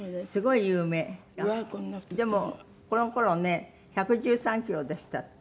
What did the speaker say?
でもこの頃ね１１３キロでしたって。